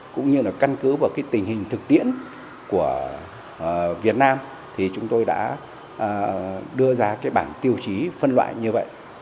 cũng như là căn cứ vào cái tình hình thực tiễn của việt nam thì chúng tôi đã đưa ra cái bảng tiêu chí phân loại như vậy